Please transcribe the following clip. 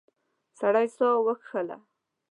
سړی ساه وکیښله.